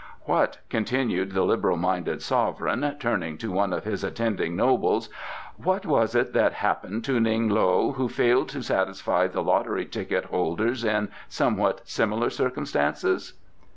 What," continued the liberal minded sovereign, turning to one of his attending nobles, "what was it that happened to Ning lo who failed to satisfy the lottery ticket holders in somewhat similar circumstances?"